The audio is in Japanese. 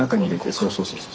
そうそうそうそうそう。